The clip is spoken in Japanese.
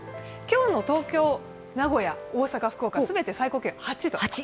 今日の東京、名古屋、大阪、福岡、全て最高気温８度。